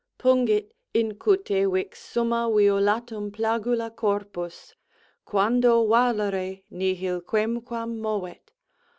Pungit In cute vix sum ma violatum plagula corpus; Quando valere nihil quemquam movet.